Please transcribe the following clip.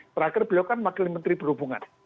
terakhir beliau kan wakil menteri perhubungan